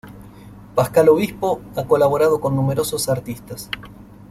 Pascal Obispo ha colaborado con numerosos artistas.